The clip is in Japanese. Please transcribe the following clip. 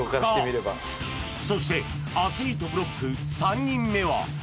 そしてアスリートブロック３人目は！